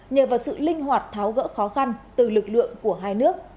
nhờ vào sự linh hoạt tháo gỡ khó khăn từ lực lượng của hai nước